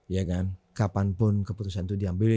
ya kan kapanpun keputusan itu diambil